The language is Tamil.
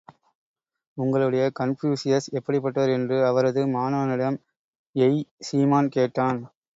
உங்களுடைய கன்பூசியஸ் எப்படிப்பட்டவர்? என்று அவரது மாணவனிடம் யெய் சீமான் கேட்டான்.